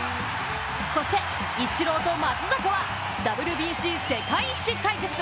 そしてイチローと松坂はＷＢＣ世界一対決。